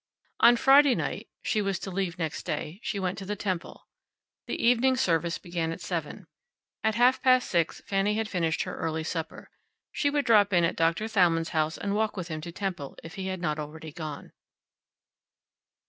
On Friday night (she was to leave next day) she went to the temple. The evening service began at seven. At half past six Fanny had finished her early supper. She would drop in at Doctor Thalmann's house and walk with him to temple, if he had not already gone.